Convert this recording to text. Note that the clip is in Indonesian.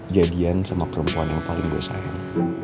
jadian sama perempuan yang paling gue sayang